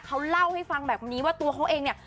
เขาเล่าให้ฟังแบบนี้ว่าตัวเขาเองเนี่ย